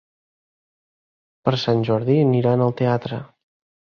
Per Sant Jordi aniran al teatre.